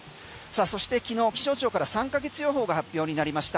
そして昨日、気象庁から３ヶ月予報が発表になりました。